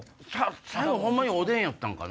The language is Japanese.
最後ホンマにおでんやったんかな？